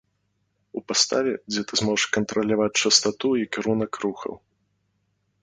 У паставе, дзе ты зможаш кантраляваць частату і кірунак рухаў.